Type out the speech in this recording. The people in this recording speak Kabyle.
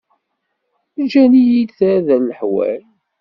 Ǧǧan-iyi-d tarda leḥwal.